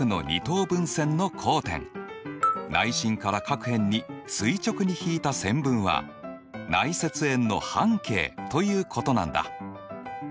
内心から各辺に垂直にひいた線分は内接円の半径ということなんだ。